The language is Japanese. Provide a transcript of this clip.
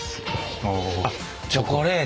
あっチョコレート。